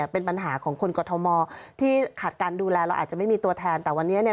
แต่จริงเวลาเราจะพูดคือเราบอกอย่างนี้นะคะว่า